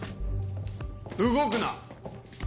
動くな！